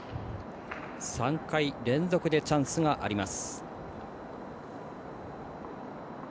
３回連続でチャンスがあります。